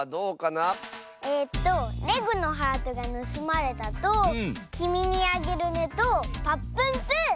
えっと「レグのハートがぬすまれた！」と「きみにあげるね」と「ぱっぷんぷぅ」！